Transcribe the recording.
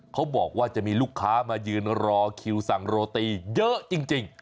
เขาบอกว่าจะมีลูกค้ามายืนรอคิวสั่งโรตีเยอะจริง